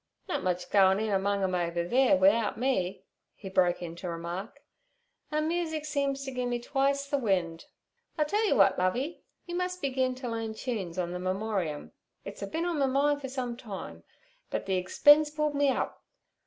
'Nut much go in among 'em over theere wi'out me' he broke in to remark. 'An' moosic seems t' gi'e me twice ther wind. I tell yer w'at, Lovey: you mus' begin t' learn chunes on the memorium. It's a been on me mind fer some time, but the egspense pulled me up.